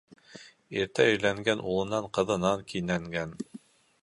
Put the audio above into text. Иртә өйләнгән улынан-ҡыҙынан кинәнгән.